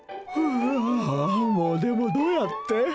ふわぁもうでもどうやって？